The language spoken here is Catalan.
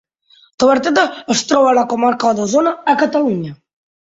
Tavertet es troba a la comarca d'Osona, a Catalunya.